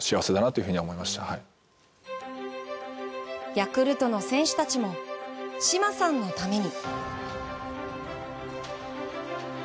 ヤクルトの選手たちも嶋さんのために。